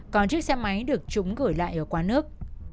còn chiếc xe máy được chúng gửi lại ở quán nước